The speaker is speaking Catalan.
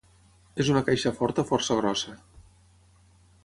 És una caixa forta força grossa.